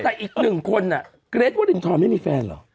แต่อีกหนึ่งคนเกรทวรินทรไม่มีแฟนเหรอ